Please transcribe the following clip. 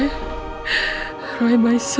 yaudah kita makan kue aja yuk